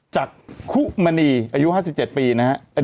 จากคุมณีอายุ๕๗ปีนะครับ